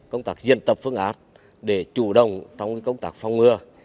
công tác diện tập phương át để chủ động trong công tác phòng ngừa